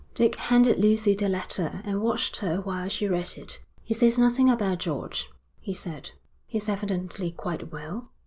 Dick handed Lucy the letter, and watched her while she read it. 'He says nothing about George,' he said. 'He's evidently quite well.'